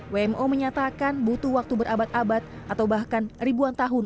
wmo menyatakan butuh waktu berabad abad atau bahkan ribuan tahun